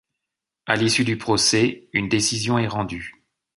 À l'issue du procès, une décision est rendue.